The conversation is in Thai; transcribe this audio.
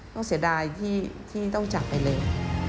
ต้องเสียดายที่ต้องจากไปเลย